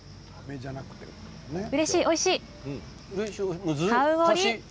おいしい、おいしい。